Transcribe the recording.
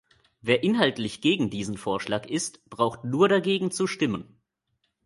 Wer inhaltlich gegen diesen Vorschlag ist, braucht nur dagegen zu stimmen.